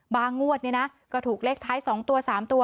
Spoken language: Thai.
งวดเนี่ยนะก็ถูกเลขท้าย๒ตัว๓ตัว